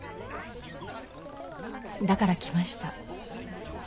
だから来ました。